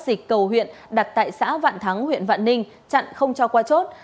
dịch cầu huyện đặt tại xã vạn thắng huyện vạn ninh chặn không cho qua chốt